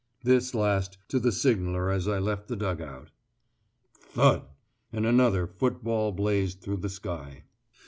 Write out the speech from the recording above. This last to the signaller as I left the dug out. "Thud!" and another football blazed through the sky.